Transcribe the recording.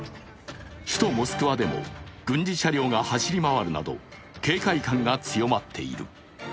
首都モスクワでも軍事車両が走り回るなど警戒感が強まっている。